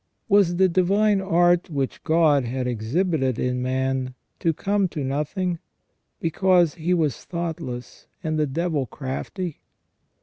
Was the divine art which God had exhibited in man to come to nothing, because he was thoughtless and the devil crafty